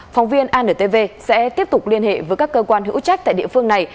phóng viên antv sẽ tiếp tục liên hệ với các cơ quan hữu trách tại địa phương này